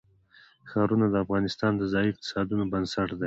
ښارونه د افغانستان د ځایي اقتصادونو بنسټ دی.